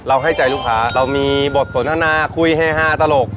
ให้ใจลูกค้าเรามีบทสนทนาคุยเฮฮาตลก